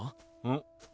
うん？